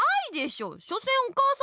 しょせんお母さんだもん。